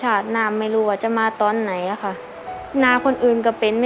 เหลือมาจะมาตอนไหนล่ะครับ